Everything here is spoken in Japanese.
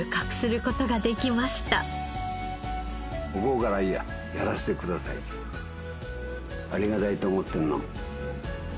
向こうから「やらせてください」って。ありがたいと思ってるの。